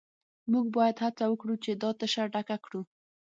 موږ باید هڅه وکړو چې دا تشه ډکه کړو